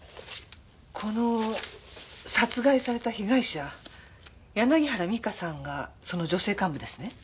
この殺害された被害者柳原美香さんがその女性幹部ですね？